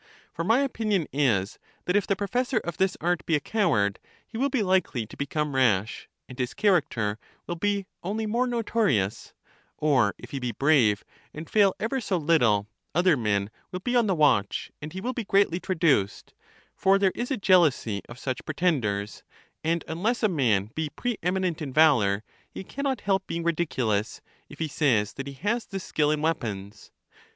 For my opinion is, that if the pro fessor of this art be a coward, he will be likely to be come rash, and his character will be only more notori ous; or if he be brave, and fail ever so little, other men will be on the watch, and he will be greatly tra duced : for there is a jealousy of such pretenders ; and unless a man be preeminent in valor, he can not help being ridiculous, if he says that he has this skill in weapons.